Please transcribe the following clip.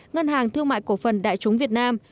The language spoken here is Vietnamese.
ngân hàng thương mại cổ phần đại chúng việt nam